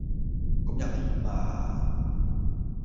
咁又點呀?